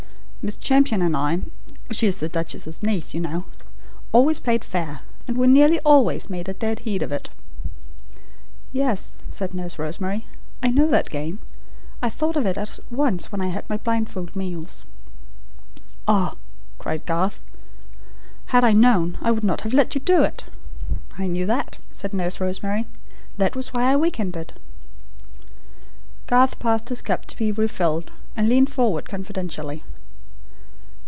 Miss Champion and I she is the duchess's niece, you know always played fair, and we nearly always made a dead heat of it." "Yes," said Nurse Rosemary, "I know that game. I thought of it at once when I had my blindfold meals." "Ah," cried Garth, "had I known, I would not have let you do it!" "I knew that," said Nurse Rosemary. "That was why I week ended." Garth passed his cup to be refilled, and leaned forward confidentially.